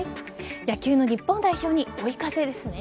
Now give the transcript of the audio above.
野球の日本代表に追い風ですね。